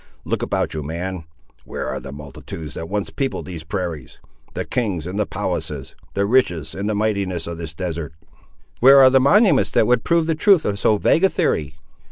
Look about you, man; where are the multitudes that once peopled these prairies; the kings and the palaces; the riches and the mightinesses of this desert?" "Where are the monuments that would prove the truth of so vague a theory?"